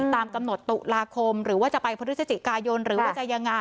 ตามกำหนดตุลาคมหรือว่าจะไปพฤศจิกายนหรือว่าจะยังไง